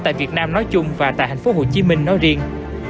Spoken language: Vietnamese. tại việt nam nói chung và tại tp hcm nói riêng